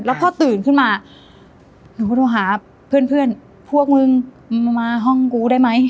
แล้วพอตื่นขึ้นมาหนูก็ต้องหาเพื่อนเพื่อนพวกมึงมาห้องกูได้ไหม